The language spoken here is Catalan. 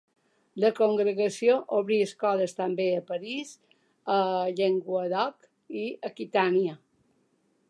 La congregació obrí escoles també a París, el Llenguadoc i Aquitània.